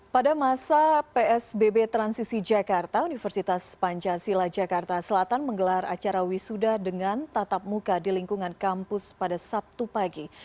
pada masa psbb transisi jakarta universitas pancasila jakarta selatan menggelar acara wisuda dengan tatap muka di lingkungan kampus pada sabtu pagi